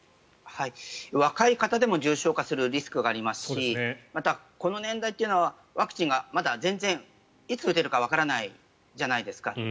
若い方でも重症化するリスクがありますしまたこの年代というのはワクチンがまだ全然いつ打てるかわからないじゃないですか。